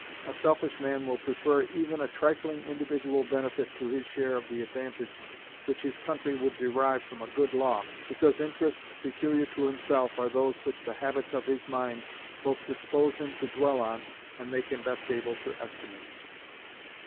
A selfish man will prefer even a trifling individual benefit to his share of the advantage which his country would derive from a good law, because interests peculiar to himself are those which the habits of his mind both dispose him to dwell on and make him best able to estimate.